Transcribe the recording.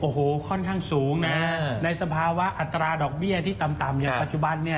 โอ้โหค่อนข้างสูงนะในสภาวะอัตราดอกเบี้ยที่ต่ำอย่างปัจจุบันเนี่ย